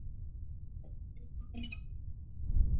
其先祖是汲郡。